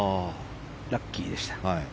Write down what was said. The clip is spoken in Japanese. ラッキーでした。